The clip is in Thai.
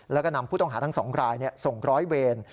แล้วก็นำผู้ต้องหาทั้ง๒รายส่งร้อยเวร